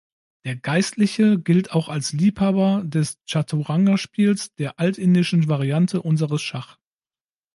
Der Geistliche gilt auch als Liebhaber des Chaturanga-Spiels, der altindischen Variante unseres Schach.